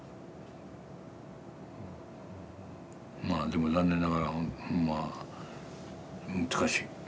まあでも残念ながらまあ難しい。